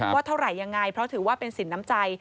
ว่าเท่าไหร่ยังไงเพราะถือว่าเป็นสินน้ำใจ